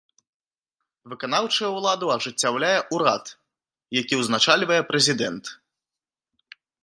Выканаўчую ўладу ажыццяўляе ўрад, які ўзначальвае прэзідэнт.